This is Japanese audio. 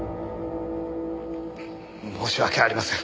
申し訳ありません。